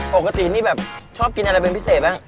ปกตินี่แบบชอบกินอะไรเป็นพิเศษบ้าง